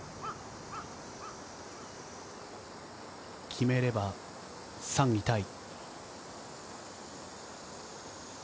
決めれば３位タイ。